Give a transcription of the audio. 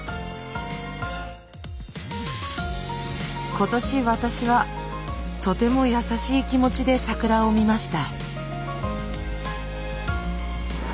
今年私はとても優しい気持ちで桜を見ました。